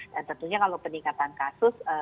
dan tentunya kalau peningkatan kasus